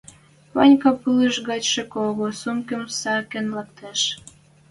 Ванька пулыш гачшы кого сумкым сӓкен лӓктеш.